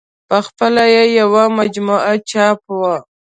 په خپله یې یوه مجموعه چاپ وه.